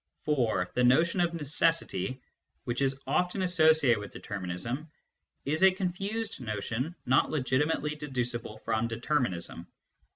(4) The notion of necessity, which is often associated with determinism, is a confused notion not legitimately deducible from determinism.